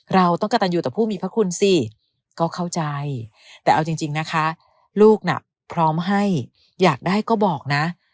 เราต้องกระตันอยู่ต่อผู้มีพระคุณสิก็เข้าใจแต่เอาจริงนะคะลูกน่ะพร้อมให้อยากได้ก็บอกนะ